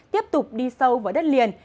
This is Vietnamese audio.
tiếp tục đi sâu vào đất liền